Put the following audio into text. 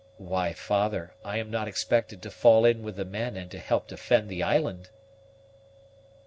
"Why, father, I am not expected to fall in with the men, and to help defend the island?"